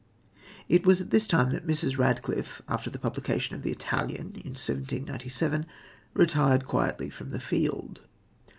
It was at this time that Mrs. Radcliffe, after the publication of The Italian in 1797, retired quietly from the field.